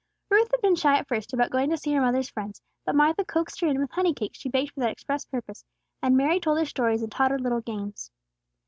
Ruth had been shy at first about going to see her mother's friends; but Martha coaxed her in with honey cakes she baked for that express purpose, and Mary told her stories and taught her little games.